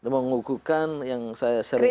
mengukuhkan yang saya sering